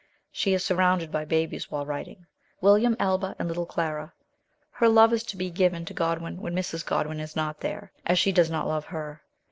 She is sur rounded by babies while writing William, Alba, and little Clara. Her love is to be given to Godwin when Mrs. Godwin is not there, as she does not love her.